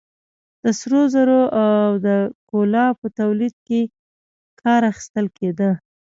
د سرو زرو او د کولا په تولید کې کار اخیستل کېده.